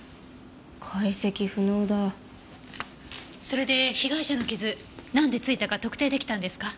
それで被害者の傷なんでついたか特定出来たんですか？